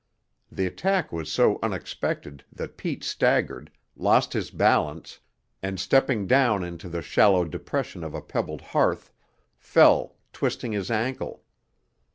The attack was so unexpected that Pete staggered, lost his balance, and stepping down into the shallow depression of a pebbled hearth, fell, twisting his ankle.